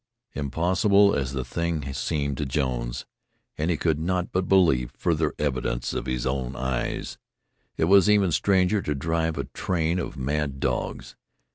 Impossible as the thing seemed to Jones and he could not but believe further evidence of his own' eyes it was even stranger to drive a train of mad dogs.